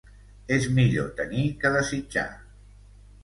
És millor tenir que desitjar.